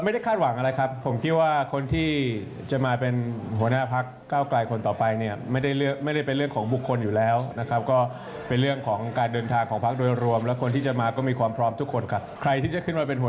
เดี๋ยวลองฟังดู่ะค่า